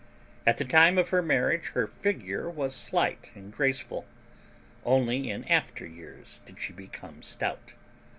At the time of her marriage her figure was slight and graceful; only in after years did she become stout.